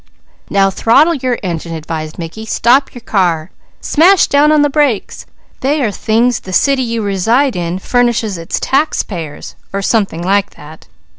"Now throttle your engine," advised Mickey. "Stop your car! Smash down on the brakes! They are things the city you reside in furnishes its taxpayers, or something like that.